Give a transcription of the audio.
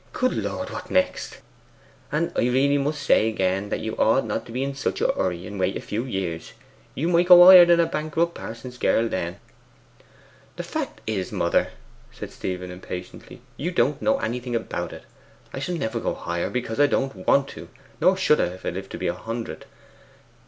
Good Lord, what next!' 'And I really must say again that you ought not to be in such a hurry, and wait for a few years. You might go higher than a bankrupt pa'son's girl then.' 'The fact is, mother,' said Stephen impatiently, 'you don't know anything about it. I shall never go higher, because I don't want to, nor should I if I lived to be a hundred.